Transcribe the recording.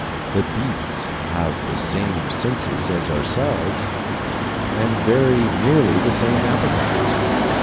The beasts have the same senses as ourselves, and very nearly the same appetites.